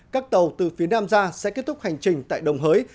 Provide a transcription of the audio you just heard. các tàu từ phía nam ra sẽ kết thúc hành trình tại đồng hới